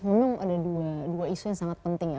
memang ada dua isu yang sangat penting ya